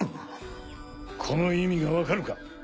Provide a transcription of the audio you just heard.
この意味がわかるか？